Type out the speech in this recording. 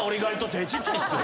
手ぇちっちゃいっすよ。